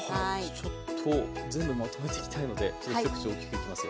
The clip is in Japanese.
ちょっと全部まとめていきたいのでちょっと一口おっきくいきますよ。